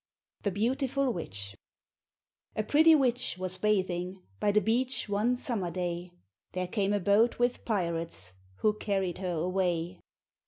THE BEAUTIFUL WITCH A pretty witch was bathing By the beach one summer day; There came a boat with pirates Who carried her away.